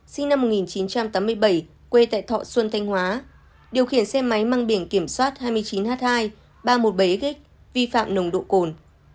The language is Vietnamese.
sinh năm một nghìn chín trăm tám mươi bảy quê tại thọ xuân thanh hóa điều khiển xe máy mang biển kiểm soát hai mươi chín h hai ba trăm một mươi bảy g vi phạm nồng độ cồn